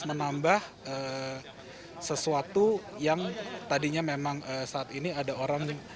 menambah sesuatu yang tadinya memang saat ini ada orang